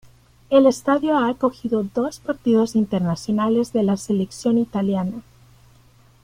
El estadio ha acogido dos partidos internacionales de la selección italiana.